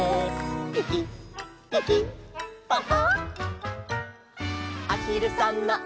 「ピキピキパカ！」